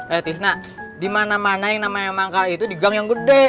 eh tisna di mana mana yang namanya manggal itu di gang yang gede